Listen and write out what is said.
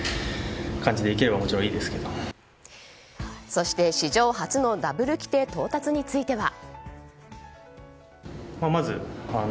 そして、史上初のダブル規定到達については。